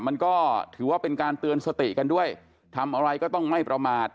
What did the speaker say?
มันก็ถือว่าเป็นการเตือนสติกันด้วยทำอะไรก็ต้องไม่ประมาท